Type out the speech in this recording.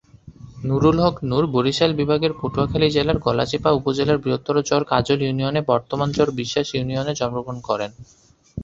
নুরুল হক নুর বরিশাল বিভাগের পটুয়াখালী জেলার গলাচিপা উপজেলার বৃহত্তর চর কাজল ইউনিয়ন বর্তমান চর বিশ্বাস ইউনিয়নে জন্মগ্রহণ করেন।